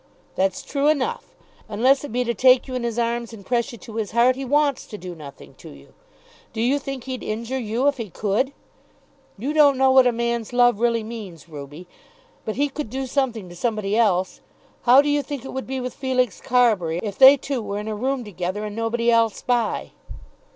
"That's true enough. Unless it be to take you in his arms and press you to his heart, he wants to do nothing to you. Do you think he'd injure you if he could? You don't know what a man's love really means, Ruby. But he could do something to somebody else. How do you think it would be with Felix Carbury, if they two were in a room together and nobody else by?"